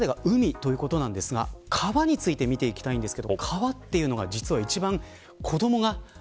ここまでが海ということなんですが川について見ていきます。